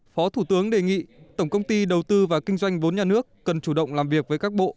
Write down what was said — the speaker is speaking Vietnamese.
phó thủ tướng đề nghị tổng công ty đầu tư và kinh doanh vốn nhà nước cần chủ động làm việc với các bộ